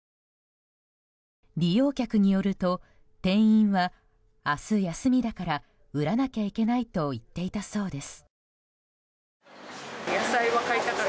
利用客によると店員は明日、休みだから売らなきゃいけないと言っていたそうです。